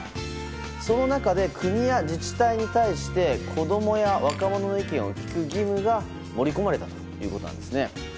その中で、国や自治体に対して子供や若者の意見を聞く義務が盛り込まれたということです。